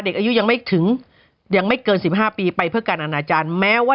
เด็กอายุยังไม่ถึงยังไม่เกิน๑๕ปีไปเพื่อการอนาจารย์แม้ว่า